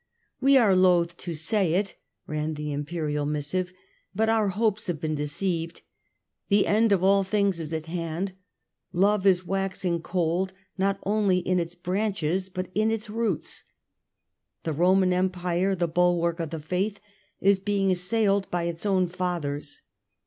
" We are loth to say it," ran the Imperial missive, " but our hopes have been deceived ; the end of all things is at hand ; love is waxing cold, not only in its branches but in its roots. The Roman Empire, the bulwark of the Faith, is being assailed by its own fathers.